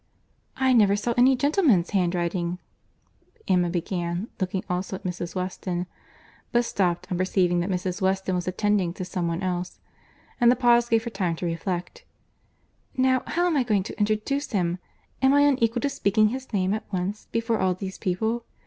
"I never saw any gentleman's handwriting"—Emma began, looking also at Mrs. Weston; but stopped, on perceiving that Mrs. Weston was attending to some one else—and the pause gave her time to reflect, "Now, how am I going to introduce him?—Am I unequal to speaking his name at once before all these people?